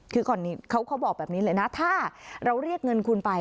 คือเขาบอกแบบนี้เลยนะถ้าเราเรียกเงินคุณไป